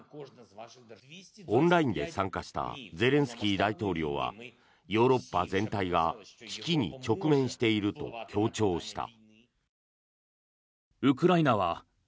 オンラインで参加したゼレンスキー大統領はヨーロッパ全体が危機に直面していると強調した。